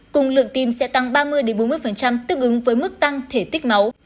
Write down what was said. cung lượng tim sẽ tăng ba mươi bốn mươi tức ứng với mức tăng thể tích máu